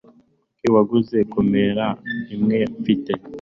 Kuki waguze kamera imwe mfite?